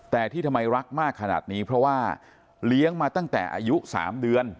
แต่ที่ทำไมรักมากขนาดนี้เพราะว่าเลี้ยงมาตั้งแต่อายุ๓เดือน